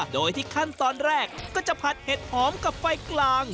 โดยที่ขั้นตอนแรกก็จะผัดเห็ดหอมกับไฟกลาง